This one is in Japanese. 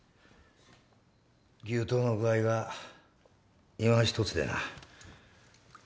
牛刀の具合が今ひとつでな